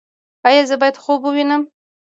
ایا زه باید خوب ووینم؟